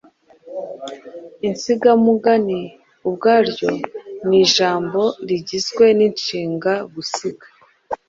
Insigamugani ubwaryo ni ijambo rigizwe n’inshinga gusiga